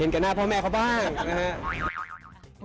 เห็นกับหน้าพ่อแม่เขาบ้างนะครับ